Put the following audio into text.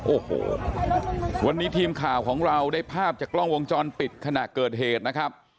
โอ้โหวันนี้ทีมข่าวของเราได้ภาพจากกล้องวงจรปิดขณะเกิดเหตุนะครับ